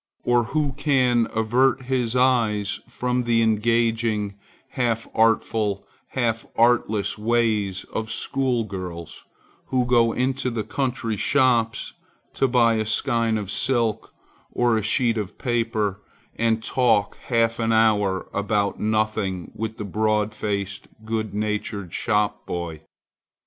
Or who can avert his eyes from the engaging, half artful, half artless ways of school girls who go into the country shops to buy a skein of silk or a sheet of paper, and talk half an hour about nothing with the broad faced, good natured shop boy.